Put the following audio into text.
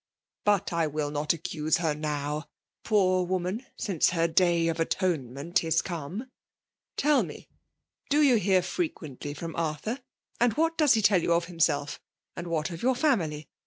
But I will not accuse her now, poor woman, since her day of atonement is come! TcU me, do you hear frequently from Arthur ? and what does he tell you of himself, and what of your family